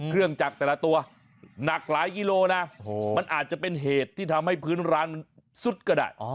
เครื่องจักรแต่ละตัวหนักหลายกิโลนะมันอาจจะเป็นเหตุที่ทำให้พื้นร้านมันซุดก็ได้